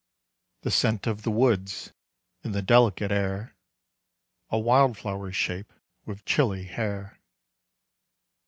The Scent of the Woods in the delicate air, A wildflower shape with chilly hair.